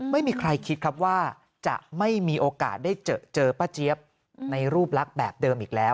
ไม่มีใครคิดครับว่าจะไม่มีโอกาสได้เจอป้าเจี๊ยบในรูปลักษณ์แบบเดิมอีกแล้ว